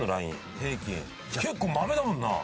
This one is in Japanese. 結構マメだもんな。